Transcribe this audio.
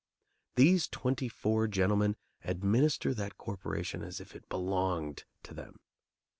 These twenty four gentlemen administer that corporation as if it belonged to them.